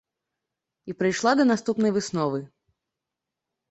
І прыйшла да наступнай высновы.